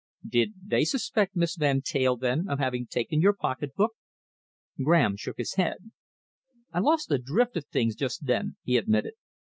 "Did they suspect Miss Van Teyl, then, of having taken your pocketbook?" Graham shook his head. "I lost the drift of things just then," he admitted.